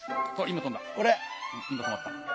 今止まった！